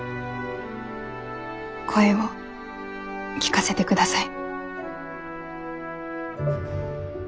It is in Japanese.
声を聞かせてください。